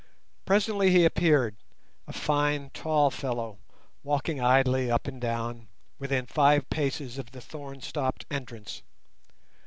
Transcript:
Presently he appeared, a fine tall fellow, walking idly up and down within five paces of the thorn stopped entrance.